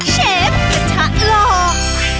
เชฟมาทักหลอก